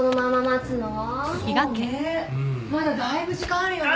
まだだいぶ時間あるよね。